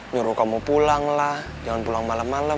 nyuruh kamu pulang lah jangan pulang malem malem